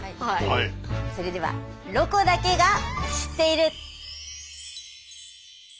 それでは「ロコだけが知っている」。